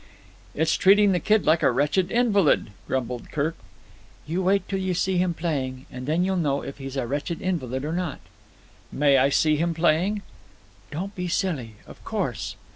"It's treating the kid like a wretched invalid," grumbled Kirk. "You wait till you see him playing, and then you'll know if he's a wretched invalid or not!" "May I see him playing?" "Don't be silly. Of course."